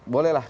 boleh lah kita